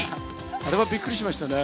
あれはびっくりしましたね。